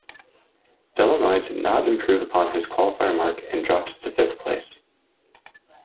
Delannoy did not improve upon his qualifier mark and dropped to fifth place.